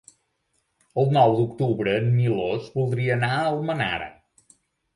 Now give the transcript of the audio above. El nou d'octubre en Milos voldria anar a Almenara.